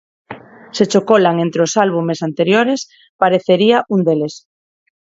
Se cho colan entre os albumes anteriores parecería un deles.